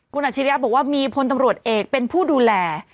คุณอาชิริยะบอกว่ามีพลตำรวจเอกเป็นผู้ดูแล